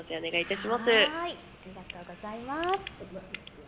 ありがとうございます。